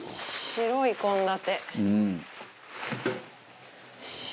白い献立。